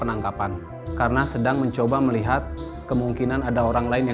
uang pasugannya pasti saya kembalikan